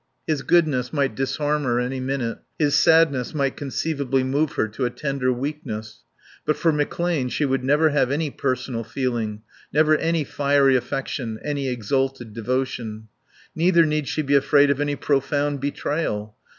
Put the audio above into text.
His goodness might disarm her any minute, his sadness might conceivably move her to a tender weakness. But for McClane she would never have any personal feeling, never any fiery affection, any exalted devotion. Neither need she be afraid of any profound betrayal.